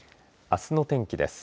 あすの天気です。